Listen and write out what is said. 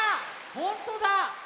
ほんとだ！